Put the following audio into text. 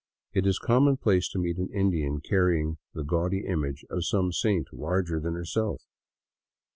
It is a commonplace to meet an Indian carrying the gaudy image of some saint larger than himself.